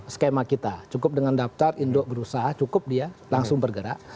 skema kita cukup dengan daftar indok berusaha cukup dia langsung bergerak